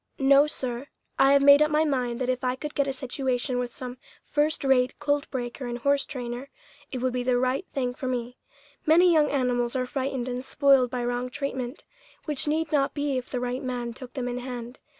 "No, sir; I have made up my mind that if I could get a situation with some first rate colt breaker and horse trainer, it would be the right thing for me. Many young animals are frightened and spoiled by wrong treatment, which need not be if the right man took them in hand.